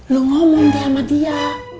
lu ngomong dia sama dia